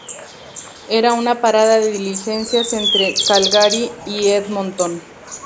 Era una parada de diligencias entre Calgary y Edmonton.